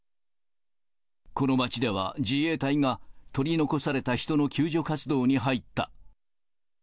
この町では自衛隊が取り残された人の救助活動に入った。